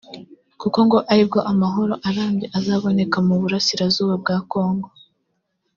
kuko ngo ari bwo amahoro arambye azaboneka mu burasirazuba bwa Congo